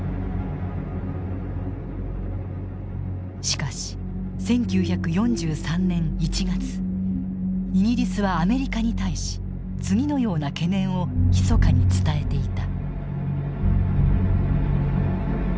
しかし１９４３年１月イギリスはアメリカに対し次のような懸念をひそかに伝えていた。